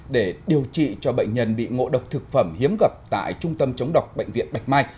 để điều trị cho bệnh nhân bị ngộ độc thực phẩm hiếm gặp tại trung tâm chống độc bệnh viện bạch mai